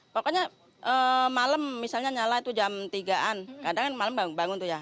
pokoknya malam misalnya nyala itu jam tiga an kadang kan malam bangun tuh ya